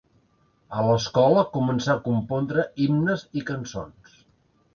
A l'escola començà a compondre himnes i cançons.